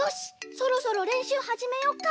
そろそろれんしゅうはじめよっか！